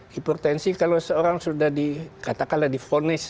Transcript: hipertensi kalau seorang sudah di katakanlah di vonis